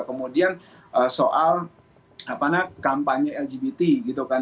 kemudian soal kampanye lgbt gitu kan